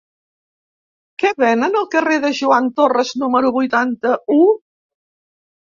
Què venen al carrer de Joan Torras número vuitanta-u?